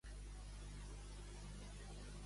Ser un cagarina.